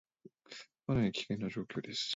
かなり危険な状況です